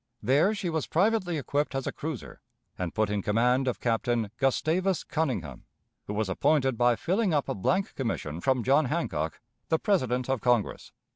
There she was privately equipped as a cruiser, and put in command of Captain Gustavus Conyngham, who was appointed by filling up a blank commission from John Hancock, the President of Congress.